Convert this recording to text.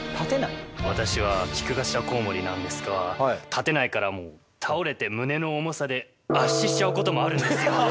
私はキクガシラコウモリなんですが立てないからもう倒れて胸の重さで圧死しちゃうこともあるんですよ。